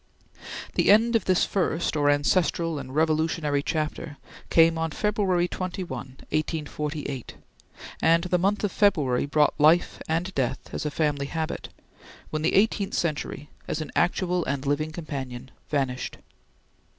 The end of this first, or ancestral and Revolutionary, chapter came on February 21, 1848 and the month of February brought life and death as a family habit when the eighteenth century, as an actual and living companion, vanished.